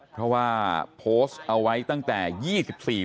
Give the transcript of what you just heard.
เพราะว่าโพสต์เอาไว้ตั้งแต่๒๔ปี